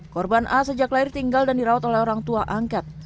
korban a sejak lahir tinggal dan dirawat oleh orang tua angkat